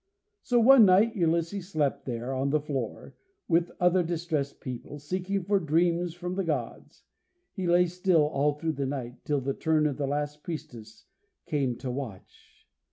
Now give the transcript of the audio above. So one night Ulysses slept there, on the floor, with other distressed people, seeking for dreams from the Gods. He lay still all through the night till the turn of the last priestess came to watch.